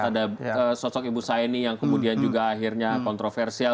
ada sosok ibu saini yang kemudian juga akhirnya kontroversial